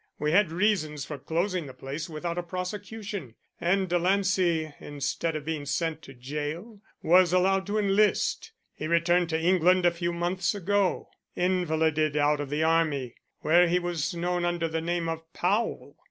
We had reasons for closing the place without a prosecution, and Delancey, instead of being sent to gaol, was allowed to enlist. He returned to England a few months ago, invalided out of the army, where he was known under the name of Powell.